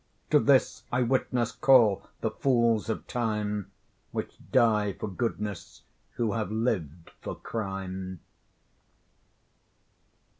To this I witness call the fools of time, Which die for goodness, who have lived for crime.